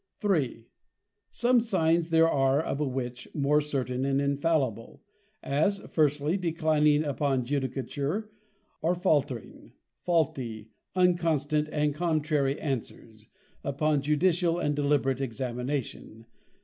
3. Some Signs there are of a Witch, more certain and infallible. As, firstly, Declining of Judicature, or faultering, faulty, unconstant, and contrary Answers, upon judicial and deliberate examination.